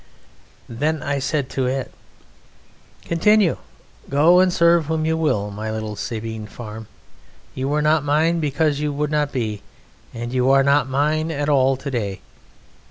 Then I said to it, "Continue. Go and serve whom you will, my little Sabine Farm. You were not mine because you would not be, and you are not mine at all to day.